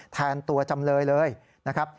แทนตัวจำเลยเลยนะครับ